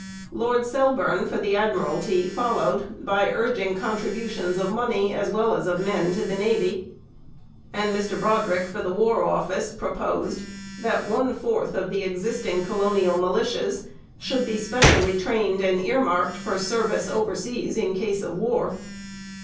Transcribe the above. Lord Selborne for the Admiralty followed by urging contributions of money as well as of men to the navy. And Mr Brodrick for the War Office proposed that one fourth of the existing colonial militias should be specially trained and earmarked for service overseas in case of war.